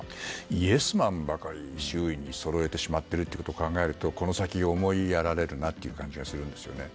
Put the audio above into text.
イエスマンばかり周囲にそろえてしまっていることを考えるとこの先が思いやられるなという感じがしますね。